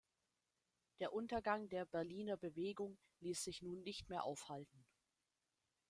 Der Untergang der „Berliner Bewegung“ ließ sich nun nicht mehr aufhalten.